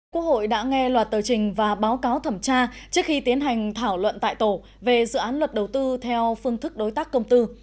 quốc hội đã nghe loạt tờ trình và báo cáo thẩm tra trước khi tiến hành thảo luận tại tổ về dự án luật đầu tư theo phương thức đối tác công tư